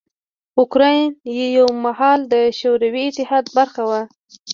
اوکراین یو مهال د شوروي اتحاد برخه وه.